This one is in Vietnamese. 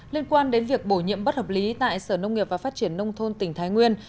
liên quan đến việc bổ nhiệm bất hợp lý tại sở nông nghiệp và phát triển nông thôn tỉnh thái nguyên